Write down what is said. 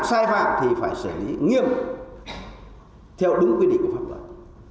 nếu vi phạm sai phạm thì phải xử lý nghiêm theo đúng quy định của pháp luật